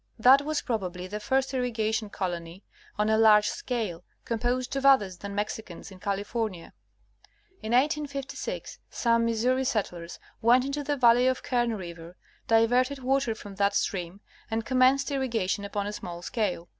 That was probably the first irrigation colony, on a large scale, composed of others than Mexicans, in California. In 185d, some Missouri settlers went into the valley of Kern river, diverted water from that stream, and commenced irrigation upon a small scale.